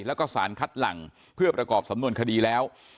แล้วก็สารคัดหลังเพื่อประกอบสำนวนคดีแล้ว